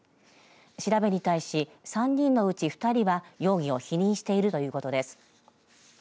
調べに対し３人のうち２人は容疑を否認しているということです。